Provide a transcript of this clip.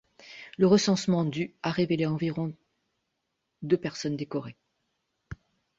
Le recensement du a révélé environ de personnes décorées.